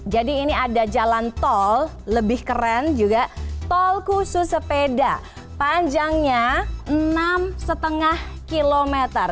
jadi ini ada jalan tol lebih keren juga tol khusus sepeda panjangnya enam lima km